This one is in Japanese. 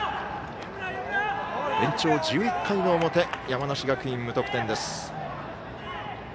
延長１１回の表山梨学院、無得点です。